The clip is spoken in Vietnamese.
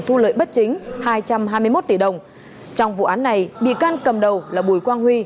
thu lợi bất chính hai trăm hai mươi một tỷ đồng trong vụ án này bị can cầm đầu là bùi quang huy